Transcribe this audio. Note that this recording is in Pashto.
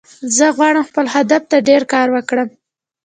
زه غواړم خپل هدف ته ډیر کار وکړم